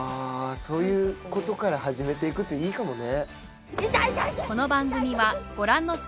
そういうことから始めて行くっていいかもね。